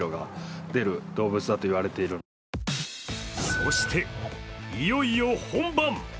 そして、いよいよ本番。